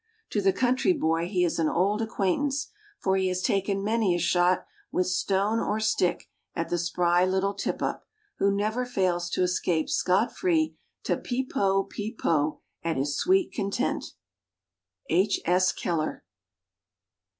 To the country boy he is an old acquaintance, for he has taken many a shot, with stone or stick, at the spry little Tip up, who never fails to escape scot free to "peep po," "peep po" at his sweet content. H. S. Keller.